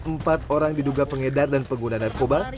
empat orang diduga pengedar dan pengguna narkoba